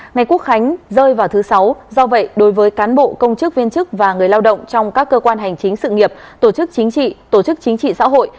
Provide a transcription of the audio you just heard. ngày quốc khánh rơi vào thứ sáu do vậy đối với cán bộ công chức viên chức và người lao động trong các cơ quan hành chính sự nghiệp tổ chức chính trị tổ chức chính trị xã hội